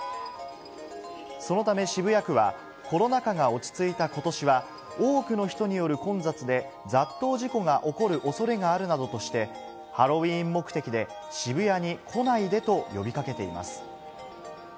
そのため渋谷区は、コロナ禍が落ち着いたことしは、多くの人による混雑で、雑踏事故が起こるおそれがあるなどとして、ハロウィーン目的で渋谷に来ないでと呼びかけています。